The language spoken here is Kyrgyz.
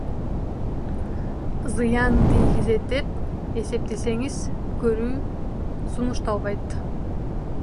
Зыян тийгизет деп эсептесеңиз, көрүү сунушталбайт.